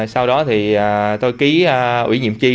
sau đó thì tôi ký ủy nhiệm chi